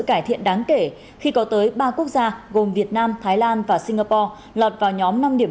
cải thiện đáng kể khi có tới ba quốc gia gồm việt nam thái lan và singapore lọt vào nhóm năm điểm